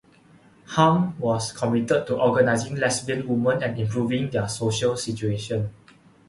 Hahm was committed to organising lesbian women and improving their social situation.